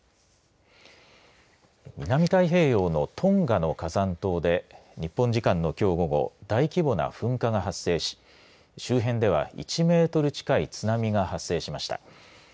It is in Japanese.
南太平洋のトンガの火山島で日本時間のきょう午後大規模な噴火が発生し周辺では１メートル近い津波が発生しました。